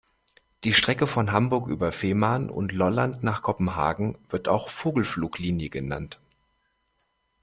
Die Strecke von Hamburg über Fehmarn und Lolland nach Kopenhagen wird auch Vogelfluglinie genannt.